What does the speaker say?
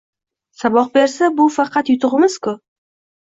Saboq bersa, bu faqat yutug’imiz-ku!